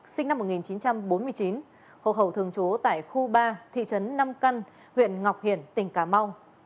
sinh năm một nghìn chín trăm bốn mươi chín hộ khẩu thường trú tại khu ba thị trấn nam căn huyện ngọc hiển tỉnh cà mau